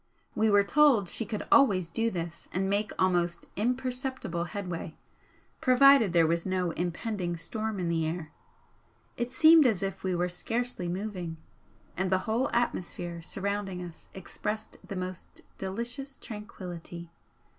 We were told she could always do this and make almost imperceptible headway, provided there was no impending storm in the air. It seemed as if we were scarcely moving, and the whole atmosphere surrounding us expressed the most delicious tranquillity.